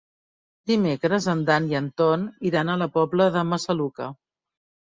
Dimecres en Dan i en Ton iran a la Pobla de Massaluca.